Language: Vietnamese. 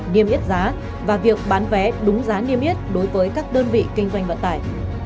niêm yết giá và việc bán vé đúng giá niêm yết đối với các đơn vị kinh doanh vận tải